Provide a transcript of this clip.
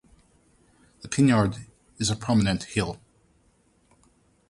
The Penyard is a prominent hill.